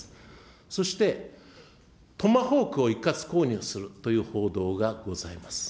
そして、トマホークを一括購入するという報道がございます。